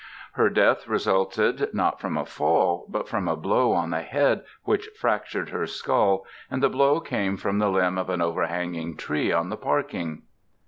Her death resulted not from a fall, but from a blow on the head which fractured her skull, and the blow came from the limb of an overhanging tree on the parking.